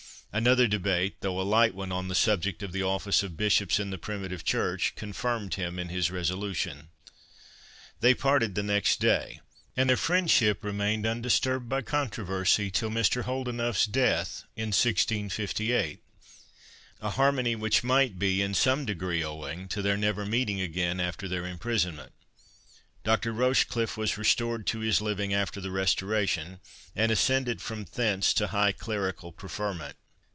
Another debate, though a light one, on the subject of the office of Bishops in the Primitive Church, confirmed him in his resolution. They parted the next day, and their friendship remained undisturbed by controversy till Mr. Holdenough's death, in 1658; a harmony which might be in some degree owing to their never meeting again after their imprisonment. Dr. Rochecliffe was restored to his living after the Restoration, and ascended from thence to high clerical preferment.